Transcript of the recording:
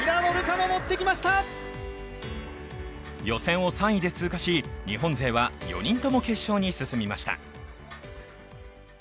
予選を３位で通過し、日本勢は４人とも決勝に進みました。